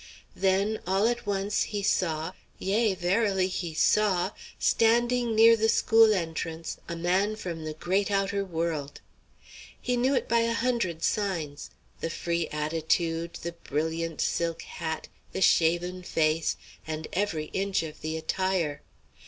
Then, all at once, he saw, yea, verily, he saw, standing near the school entrance, a man from the great outer world! He knew it by a hundred signs the free attitude, the brilliant silk hat, the shaven face, and every inch of the attire.